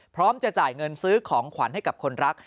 พร้อมจะจ่ายเงินซื้อของขวัญให้กับคนรัก